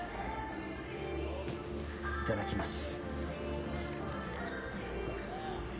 いただきます。